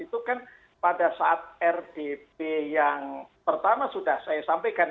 itu kan pada saat rdp yang pertama sudah saya sampaikan